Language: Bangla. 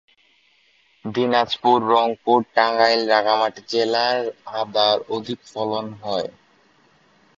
দিনাজপুর, রংপুর, টাঙ্গাইল ও রাঙ্গামাটি জেলায় আদার অধিক ফলন হয়।